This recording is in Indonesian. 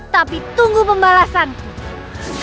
tapi tunggu pembalasanku